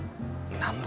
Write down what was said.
難破